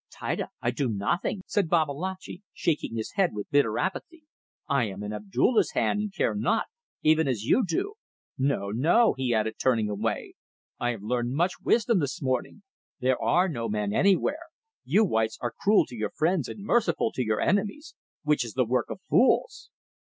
"Tida! I do nothing," said Babalatchi, shaking his head with bitter apathy. "I am in Abdulla's hand and care not, even as you do. No! no!" he added, turning away, "I have learned much wisdom this morning. There are no men anywhere. You whites are cruel to your friends and merciful to your enemies which is the work of fools."